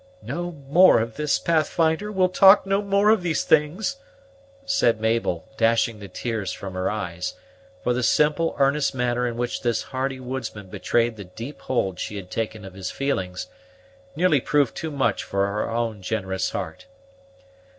"No more of this, Pathfinder; we'll talk no more of these things," said Mabel, dashing the tears from her eyes: for the simple, earnest manner in which this hardy woodsman betrayed the deep hold she had taken of his feelings nearly proved too much for her own generous heart.